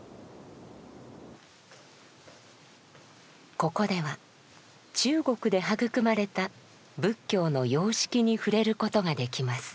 ここでは中国で育まれた仏教の様式に触れることができます。